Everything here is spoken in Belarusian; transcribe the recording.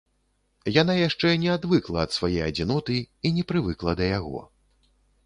Яна яшчэ не адвыкла ад свае адзіноты і не прывыкла да яго.